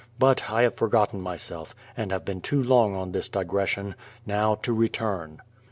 But I have forgotten myself, and have been too long on this digression ; now to return.